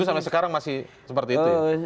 sampai sekarang masih seperti itu